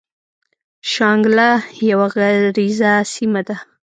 شانګله يوه غريزه سيمه ده ـ